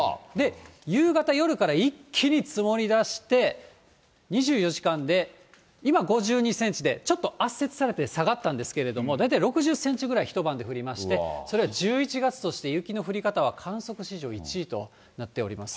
夕方、夜から一気に積もりだして、２４時間で、今、５２センチで、ちょっと圧雪されて下がったんですけれども、大体６０センチぐらい、一晩で降りまして、それが１１月として、雪の降り方は観測史上１位となっております。